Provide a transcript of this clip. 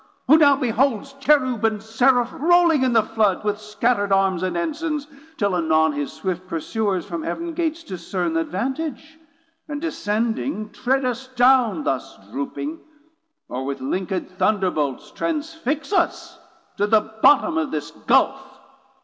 who now beholds Cherube and Seraph rowling in the Flood With scatter'd Arms and Ensigns, till anon His swift pursuers from Heav'n Gates discern Th' advantage, and descending tread us down Thus drooping, or with linked Thunderbolts Transfix us to the bottom of this Gulfe.